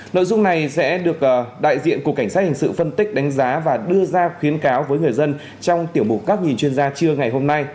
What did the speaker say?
nội dung này sẽ được đại diện cục cảnh sát hình sự phân tích đánh giá và đưa ra khuyến cáo với người dân trong tiểu mục các nhìn chuyên gia trưa ngày hôm nay